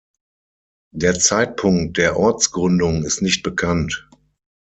Der Zeitpunkt der Ortsgründung ist nicht bekannt.